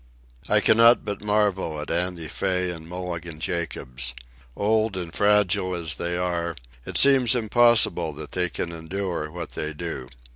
I cannot but marvel at Andy Fay and Mulligan Jacobs. Old and fragile as they are, it seems impossible that they can endure what they do.